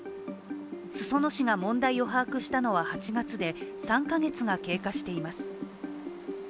裾野市が問題を把握したのは８月で３か月が経過しています。